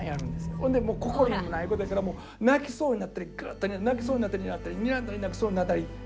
ほんでもう心にもないこと言うからもう泣きそうになったりぐっとね泣きそうになったりにらんだりにらんだり泣きそうになったり。